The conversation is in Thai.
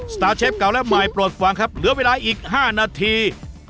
สตาร์เชฟเก่าและใหม่โปรดฟังครับเหลือเวลาอีก๕นาที